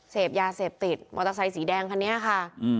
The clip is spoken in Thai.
เสพยาเสพติดมอเตอร์ไซสีแดงคันนี้ค่ะ